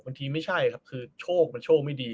ไม่ใช่ครับคือโชคมันโชคไม่ดี